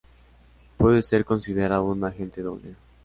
Puede ser considerado un agente doble.